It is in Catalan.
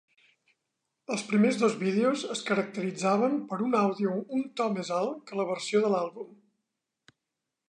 Els primers dos vídeos es caracteritzaven per un àudio un to més alt que la versió de l'àlbum.